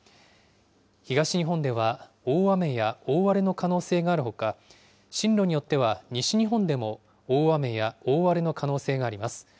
東日本では大雨や大荒れの可能性があるほか、進路によっては西日本でも大雨や大荒れの可能性があります。